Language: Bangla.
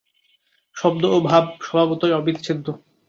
শব্দ ও ভাব স্বভাবতই অবিচ্ছেদ্য।